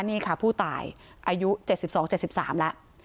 นี่ค่ะผู้ตายอายุ๗๒๗๓แล้ว